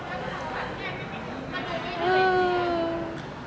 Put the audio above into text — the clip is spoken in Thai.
บางคนด้วยที่สวมสำหรับแอนไม่มีคุณค่ะใดก็ชื่อแบบ